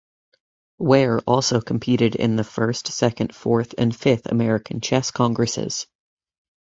Ware also competed in the first, second, fourth and fifth American Chess Congresses.